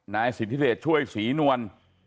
นายสิทธิเดชช่วยศรีนวล